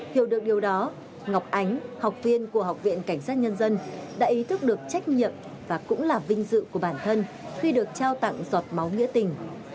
hiểu được điều đó ngọc ánh học viên của học viện cảnh sát nhân dân đã ý thức được trách nhiệm và cũng là vinh dự của bản thân khi được trao tặng giọt máu nghĩa tình